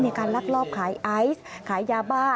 มีการรักรอบขายไอซ์ขายยาบ้า